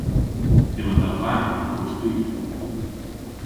Yma dha vamm yn Porthbud.